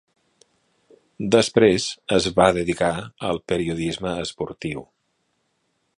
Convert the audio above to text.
Després, es va dedicar al periodisme esportiu.